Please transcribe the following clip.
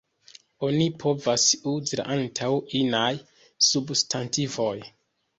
Oni povas uzi La antaŭ inaj substantivoj.